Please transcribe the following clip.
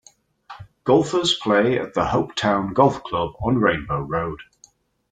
Golfers play at the Hopetoun Golf Club on Rainbow Road.